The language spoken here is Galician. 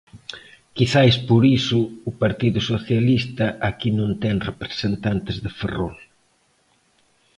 Quizais por iso o Partido Socialista aquí non ten representantes de Ferrol.